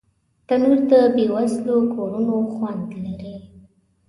تنور د بې وزلو کورونو خوند لري